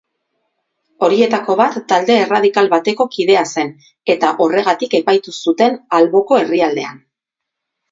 Horietako bat talde erradikal bateko kidea zen eta horregatik epaitu zuten alboko herrialdean.